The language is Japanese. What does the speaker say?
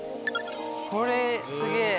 これ、すげえ。